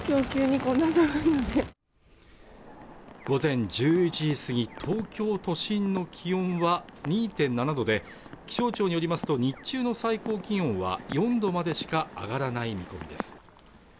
午前１１時過ぎ東京都心の気温は２．７度で気象庁によりますと日中の最高気温は４度までしか上がらない見込みです